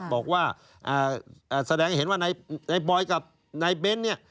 บอกว่าแสดงให้เห็นว่านายบอยกับนายเบ้นเนี่ย